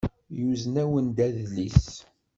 Yuzen-awen-d adlis.